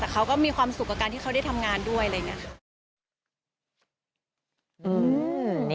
แต่เขาก็มีความสุขกับการที่เขาได้ทำงานด้วยอะไรอย่างนี้